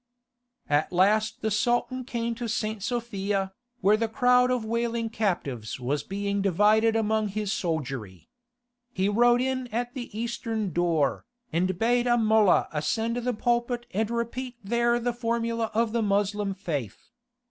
At last the Sultan came to St. Sophia, where the crowd of wailing captives was being divided among his soldiery. He rode in at the eastern door, and bade a mollah ascend the pulpit and repeat there the formula of the Moslem faith.